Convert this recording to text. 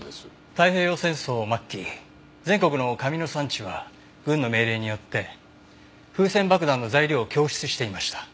太平洋戦争末期全国の紙の産地は軍の命令によって風船爆弾の材料を供出していました。